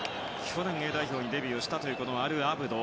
去年、Ａ代表でデビューしたというアルアブド。